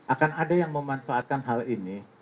akan ada yang memanfaatkan hal ini